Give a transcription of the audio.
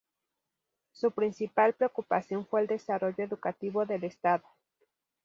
Su principal preocupación fue el desarrollo educativo del estado.